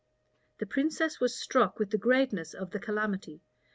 The princess was struck with the greatness of the calamity.